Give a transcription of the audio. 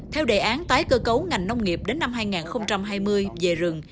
theo đề án tái cơ cấu ngành nông nghiệp đến năm hai nghìn hai mươi về rừng